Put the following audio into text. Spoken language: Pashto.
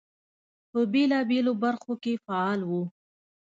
په بېلابېلو برخو کې فعال وو.